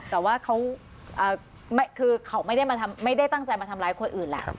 แต่ว่าเขาไม่คือเขาไม่ได้มาทำไม่ได้ตั้งใจมาทำร้ายคนอื่นล่ะ